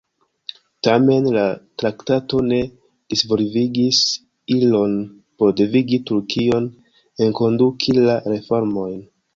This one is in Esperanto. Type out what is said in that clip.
Tamen, la traktato ne disvolvigis ilon por devigi Turkion enkonduki la reformojn.